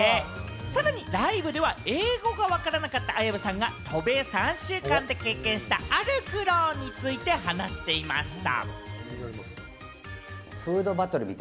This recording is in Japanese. さらにライブでは英語がわからなかった綾部さんが渡米３週間で経験したある苦労について話していました。